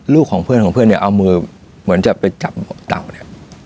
ของเพื่อนของเพื่อนเนี่ยเอามือเหมือนจะไปจับเต่าเนี่ย